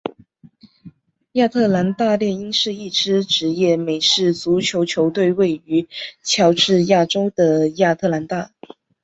亚特兰大猎鹰是一支职业美式足球球队位于乔治亚州的亚特兰大。